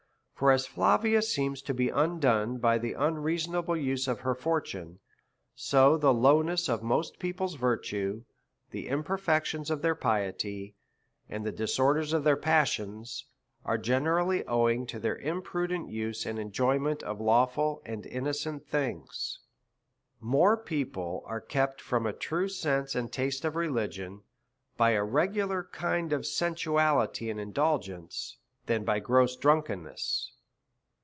For as Flavia seems to be undone by the unreason able use of her fortune, so the lowness of most people's virtue, the imperfections of their piety, and the dis orders of their passions, is generally owing to their imprudent use and enjoyment of lawful and innocent things. More people are kept from a true sense and state of religion by a regular kind of sensuality and indulg ence, than by gross drunkenness.